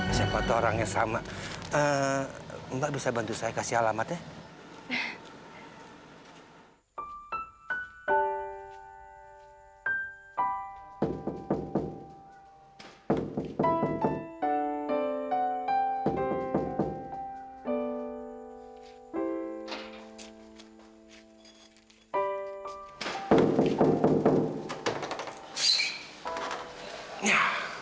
siapa siapa orangnya sama mbak bisa bantu saya kasih alamatnya